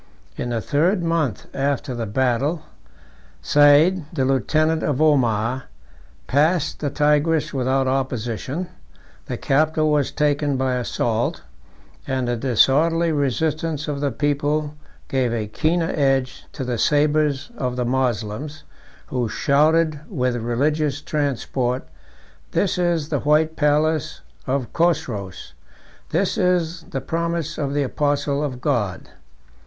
In the third month after the battle, Said, the lieutenant of Omar, passed the Tigris without opposition; the capital was taken by assault; and the disorderly resistance of the people gave a keener edge to the sabres of the Moslems, who shouted with religious transport, "This is the white palace of Chosroes; this is the promise of the apostle of God!"